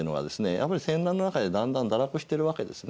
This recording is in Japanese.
やっぱり戦乱の中でだんだん堕落してるわけですね。